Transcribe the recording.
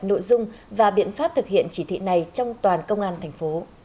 nội dung và biện pháp thực hiện chỉ thị này trong toàn công an tp